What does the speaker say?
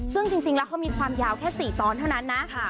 ซึ่งจริงแล้วเขามีความยาวแค่๔ตอนเท่านั้นนะ